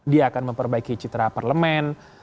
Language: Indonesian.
dia akan memperbaiki citra parlemen